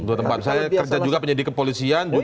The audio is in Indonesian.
dua tempat saya kerja juga penyidik kepolisian